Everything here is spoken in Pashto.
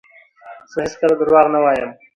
زه هیڅکله درواغ نه وایم.